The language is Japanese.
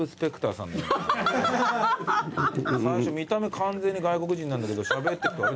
最初見た目完全に外国人なんだけどしゃべってくとあれ？